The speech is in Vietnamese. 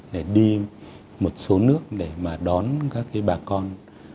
để đi một số nước để mà đón các cái bà con